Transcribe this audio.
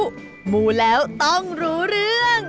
จ้าบ๊ายบาย